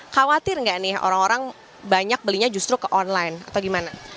khawatir nggak nih orang orang banyak belinya justru ke online atau gimana